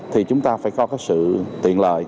thì chúng ta phải có cái sự tiện lợi